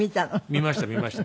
見ました見ました。